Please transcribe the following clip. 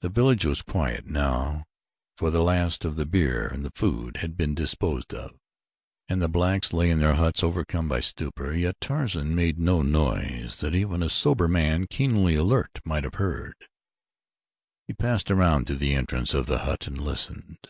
The village was quiet now, for the last of the beer and the food had been disposed of and the blacks lay in their huts overcome by stupor, yet Tarzan made no noise that even a sober man keenly alert might have heard. He passed around to the entrance of the hut and listened.